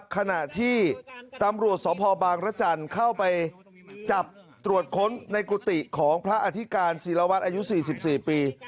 ขณะที่ตำรวจสพบางรจันทร์เข้าไปจับตรวจค้นในกุฏิของพระอธิการศิลวัตรอายุ๔๔ปี